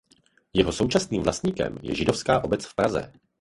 Jeho současným vlastníkem je Židovská obec v Praze.